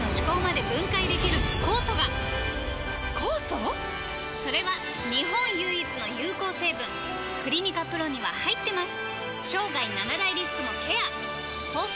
酵素⁉それは日本唯一の有効成分「クリニカ ＰＲＯ」には入ってます！